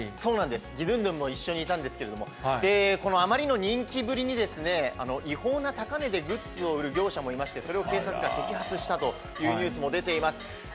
義ドゥンドゥンも一緒にいたんですけれども、そのあまりの人気ぶりに、違法な高値でグッズを売る業者もいまして、それを警察が摘発したというニュースも出ています。